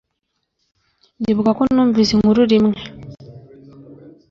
Ndibuka ko numvise inkuru rimwe